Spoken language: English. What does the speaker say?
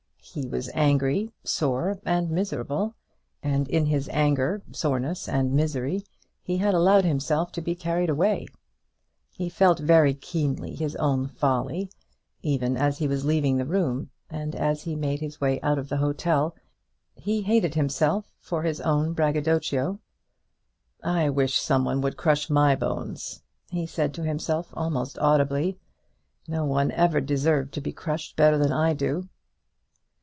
He was angry, sore, and miserable; and in his anger, soreness, and misery, he had allowed himself to be carried away. He felt very keenly his own folly, even as he was leaving the room, and as he made his way out of the hotel he hated himself for his own braggadocio. "I wish some one would crush my bones," he said to himself almost audibly. "No one ever deserved to be crushed better than I do."